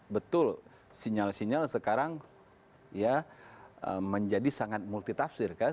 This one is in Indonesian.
betul sinyal sinyal sekarang ya menjadi sangat multitafsir kan